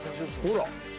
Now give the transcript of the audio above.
ほら。